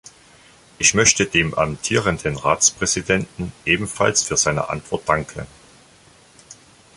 Ich möchte dem amtierenden Ratspräsidenten ebenfalls für seine Antwort danken.